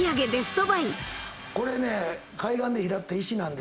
これね。